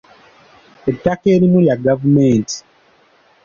Ettaka erimu lya gavumenti.